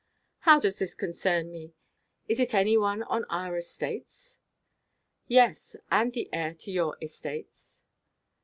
"How does this concern me? Is it any one on our estates?" "Yes, and the heir to 'your estates.